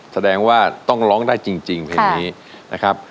แสดงว่าต้องร้องได้จริงเพลงนี้นะครับ